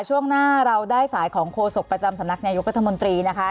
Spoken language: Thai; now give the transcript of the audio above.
ช่วงหน้าเราได้สายของโฆษกประจำสำนักนายกรัฐมนตรีนะคะ